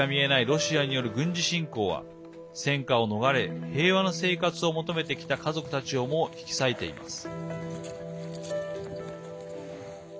ロシアによる軍事侵攻は戦火を逃れ平和な生活を求めてきた家族たちをも引き裂いています。